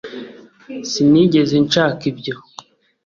Sinigeze nshaka ibyo